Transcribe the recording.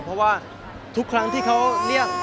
เพราะว่าทุกครั้งที่เขาเรียก